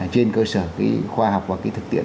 trên cơ sở khoa học và thực tiễn